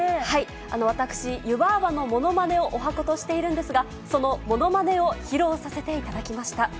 はい、私、湯婆婆のものまねをおはことしているんですが、そのものまねを披露させていただきました。